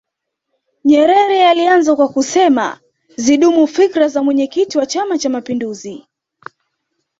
nyerere alianza kwa kusema zidumu fikra za mwenyekiti wa chama cha mapinduzi